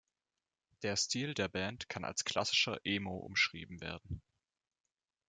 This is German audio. Der Stil der Band kann als klassischer Emo umschrieben werden.